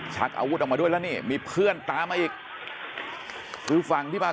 ชักอาวุธออกมาด้วยแล้วนี่มีเพื่อนตามมาอีกคือฝั่งที่มา